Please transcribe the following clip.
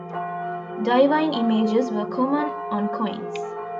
Divine images were common on coins.